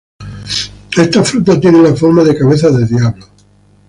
Estas frutas tienen la forma de cabezas de diablos.